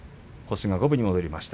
星が五分に戻りました